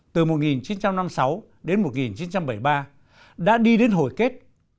từ một nghìn chín trăm năm mươi sáu đến một nghìn chín trăm bảy mươi ba đã đi đến hồi kết